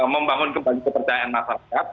membangun kembali kepercayaan masyarakat